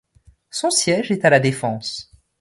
Son siège est à La Défense.